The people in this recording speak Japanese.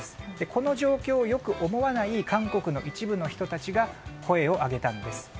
この状況をよく思わない韓国の一部の人たちが声を上げたんです。